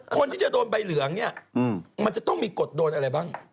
คนที่จะโดนใบเหลืองเนี่ยมันจะต้องมีกฎโดนอะไรบ้าง